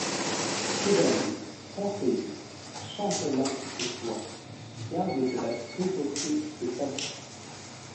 Chevalier, conseiller, chambellan du Roi, garde de la Prévôté de Paris.